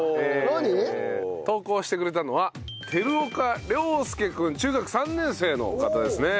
投稿してくれたのは照岡諒祐君中学３年生の方ですね。